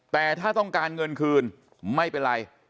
แต่ถ้าต้องการเงินคืนไม่เป็นไร